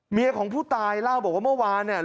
ของผู้ตายเล่าบอกว่าเมื่อวานเนี่ย